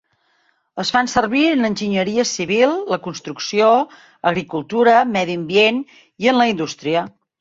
Es fan servir en enginyeria civil, la construcció, agricultura, medi ambient i en la indústria.